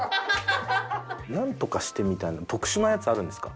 「ナントカして」みたいな特殊なやつあるんですか？